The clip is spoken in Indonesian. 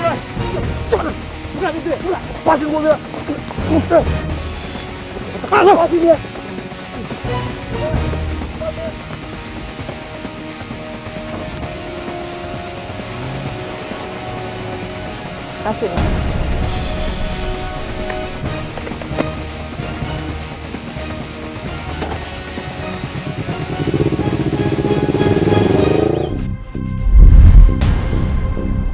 tidak ada yang bisa dihukum